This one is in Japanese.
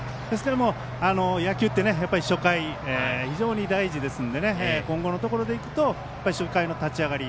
野球ってやっぱり初回、非常に大事ですので今後のところでいくと初回の立ち上がり。